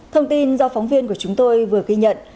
thông tin do phóng viên của chúng tôi vừa ghi nhận